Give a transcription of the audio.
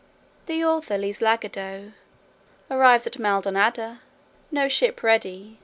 The author leaves Lagado: arrives at Maldonada. No ship ready.